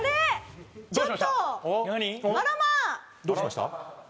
どうしました？